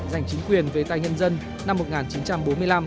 giành chính quyền về tài nhân dân năm một nghìn chín trăm bốn mươi năm